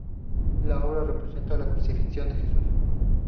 La obra representa la crucifixión de Jesús.